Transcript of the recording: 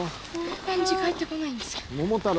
返事返ってこないんですけど。